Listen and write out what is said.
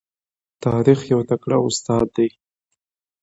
تاریخ یو تکړه استاد دی.